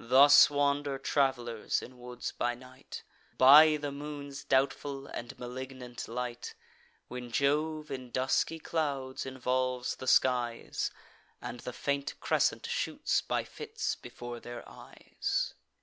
Thus wander travelers in woods by night, By the moon's doubtful and malignant light, When Jove in dusky clouds involves the skies, And the faint crescent shoots by fits before their eyes.